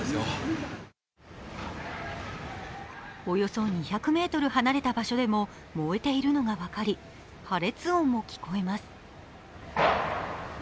およそ２００ｍ離れた場所でも燃えているのが分かり破裂音も聞こえます。